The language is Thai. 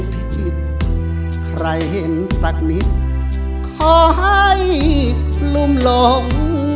ผิดใครเห็นสักนิดขอให้ลุมลง